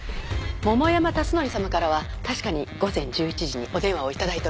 桃山辰徳様からは確かに午前１１時にお電話を頂いております。